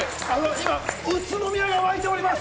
今、宇都宮が沸いております。